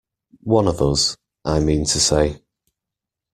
One of us, I mean to say.